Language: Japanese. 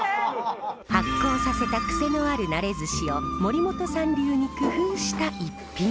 発酵させたクセのあるなれずしを森本さん流に工夫した逸品。